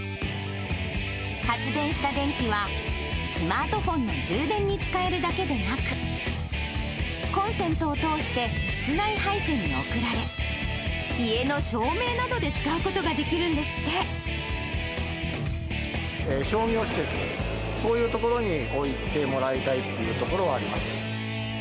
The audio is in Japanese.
発電した電気は、スマートフォンの充電に使えるだけでなく、コンセントを通して室内配線に送られ、家の照明などで使うことが商業施設、そういう所に置いてもらいたいというところはあります。